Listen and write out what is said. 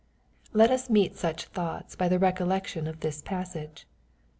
Let us meet such thoughts by the recollec tion of this passage.